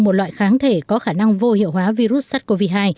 một loại kháng thể có khả năng vô hiệu hóa virus sars cov hai